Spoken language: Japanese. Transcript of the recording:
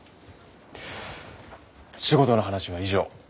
仕事の話は以上。